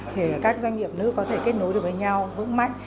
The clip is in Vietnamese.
để các doanh nghiệp nữ có thể kết nối được với nhau vững mạnh